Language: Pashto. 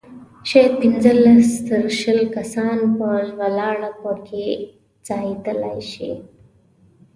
شاید پنځلس تر شل کسان په ولاړه په کې ځایېدلای شي.